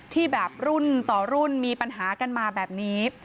ที่แบบรุ่นต่อรุ่นมีปัญหากันมาแบบนี้